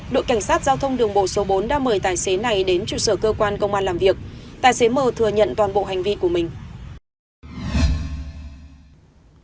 đội cảnh sát giao thông đường bộ số bốn đã mời tài xế này đến trụ sở cơ quan công an làm việc tài xế m thừa nhận toàn bộ hành vi của mình